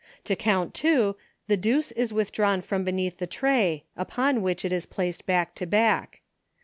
To count two, the deuce is with drawn from beneath the tray, upon which it is placed back to back.